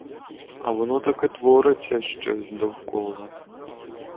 А воно таки твориться щось довкола.